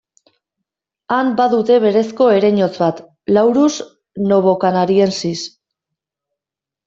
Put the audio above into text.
Han badute berezko ereinotz bat, Laurus novocanariensis.